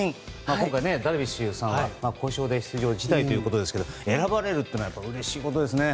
今回ダルビッシュさんは故障で出場辞退ということですが選ばれるというのはうれしいことですね。